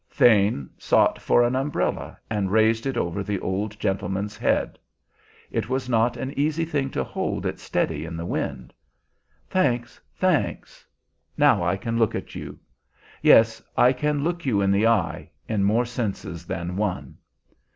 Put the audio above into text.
Thane sought for an umbrella, and raised it over the old gentleman's head; it was not an easy thing to hold it steady in that wind. "Thanks, thanks! Now I can look at you. Yes, I can look you in the eye, in more senses than one.